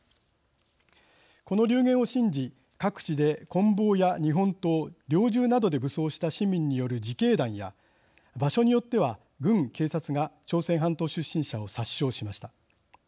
この流言を信じ各地でこん棒や日本刀猟銃などで武装した市民による自警団や場所によっては軍警察が朝鮮半島出身者を殺傷しました。